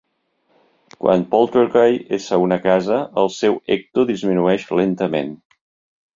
Quan Polterguy és a una casa, el seu ecto disminueix lentament.